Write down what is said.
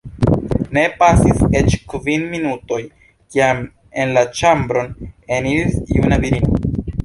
Ne pasis eĉ kvin minutoj, kiam en la ĉambron eniris juna virino.